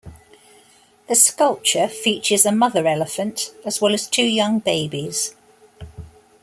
The sculpture features a mother elephant as well as two young babies.